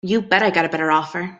You bet I've got a better offer.